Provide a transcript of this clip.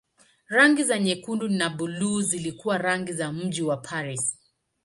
Rangi za nyekundu na buluu zilikuwa rangi za mji wa Paris.